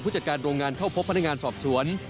จัดการโรงงานเข้าพบพนักงานสอบสวน